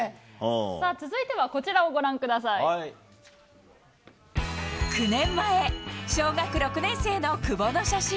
さあ、続いてはこちらをご覧９年前、小学６年生の久保の写真。